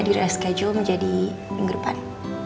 di reschedule menjadi minggu depan